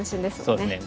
そうですね。